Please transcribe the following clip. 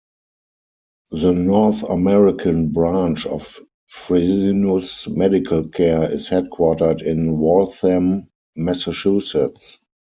The North American branch of Fresenius Medical Care is headquartered in Waltham, Massachusetts.